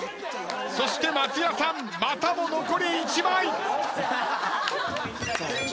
そして松也さんまたも残り１枚。